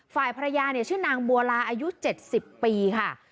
ฝ่ายภรรยาเนี่ยชื่อนางบัวลาอายุ๗๐ปีค่ะ